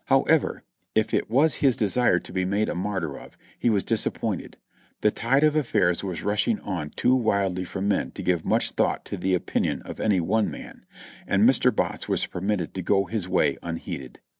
However, if it was his desire to be made a martyr of. he was disappointed; the tide of afifairs was rushing on too wildly for men to give much thought to the opinion of any one man, and Mr. Botts was permitted to go his way unheeded.